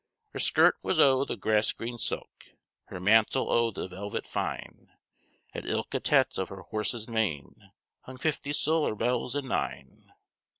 "'Her skirt was o' the grass green silk, Her mantle o' the velvet fyne; At ilka tett of her horse's mane Hung fifty siller bells and nine.'"